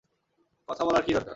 কথা বলার কী দরকার?